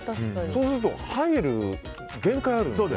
そうすると入る限界があるので。